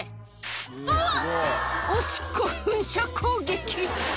おしっこ噴射攻撃。